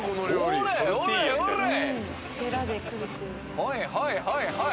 はいはいはいはい！